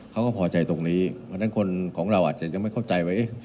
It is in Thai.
เขาก็พอใจตรงนี้เพราะฉะนั้นคนของเราอาจจะยังไม่เข้าใจว่า